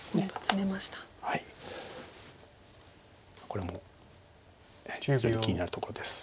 これも非常に気になるところです。